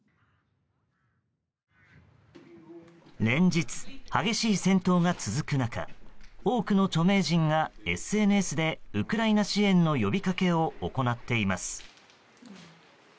連日、激しい戦闘が続く中多くの著名人がＳＮＳでウクライナ支援の呼びかけを行っています。